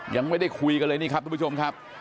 ยังไม่ได้คุยกันเลยนี่ครับทุกผู้ชมครับ